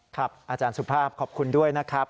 อาจารย์สุภาพขอบคุณด้วยนะครับ